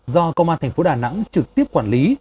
do công an thành phố đà nẵng trực tiếp quản lý